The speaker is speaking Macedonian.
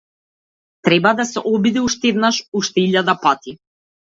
Треба да се обиде уште еднаш, уште илјада пати.